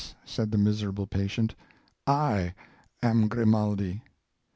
said the miserable patient, "/ am Grimaldi!"